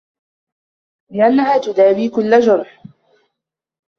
لِأَنَّهَا تُدَاوِي كُلَّ جُرْحٍ